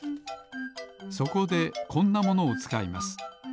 そこでこんなものをつかいます。